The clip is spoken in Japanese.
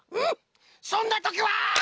そんなときは！